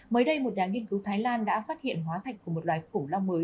mới đây một nhà nghiên cứu thái lan đã phát hiện hóa thạch của một loài khủng long mới